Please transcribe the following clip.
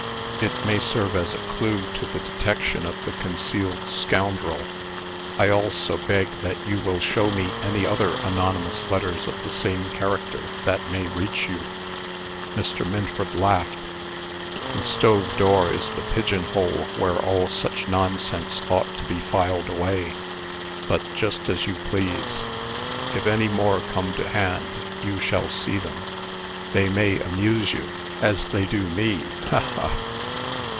"It may serve as a clue to the detection of the concealed scoundrel. I also beg that you will show me any other anonymous letters of the same character that may reach you." Mr. Minford laughed. "The stove door is the pigeonhole where all such nonsense ought to be filed away. But just as you please. If any more come to hand, you shall see them. They may amuse you, as they do me. Ha! ha!"